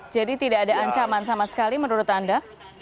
jadi tidak ada ancaman sama sekali menurut anda